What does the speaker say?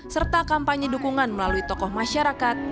serta kampanye dukungan melalui tokoh masyarakat artis dan berpengaruh